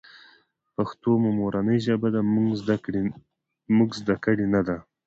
پښتو مو مورنۍ ژبه ده مونږ ذده کــــــــړې نۀ ده